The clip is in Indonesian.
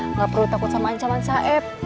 nggak perlu takut sama ancaman saib